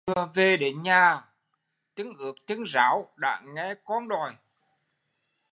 Vừa về đến nhà chân ướt chân ráo đã nghe con đòi